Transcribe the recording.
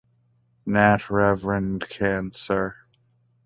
Nat Reverend Cancer.